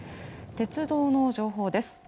鉄道の情報です。